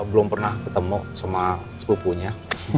belum pernah ketemu sama sepupunya